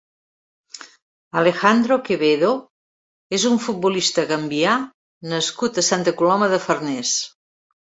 Alejandro QUEVEDO és un futbolista gambià nascut a Santa Coloma de Farners.